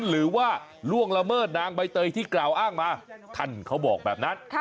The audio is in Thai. ล่วงละเมิดนางใบเตยที่กล่าวอ้างมาท่านเขาบอกแบบนั้น